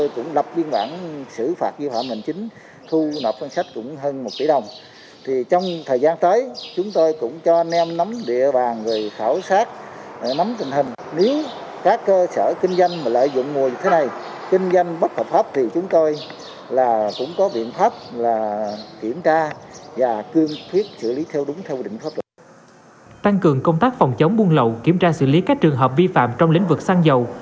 tăng cường công tác phòng chống buôn lậu kiểm tra xử lý các trường hợp vi phạm trong lĩnh vực xăng dầu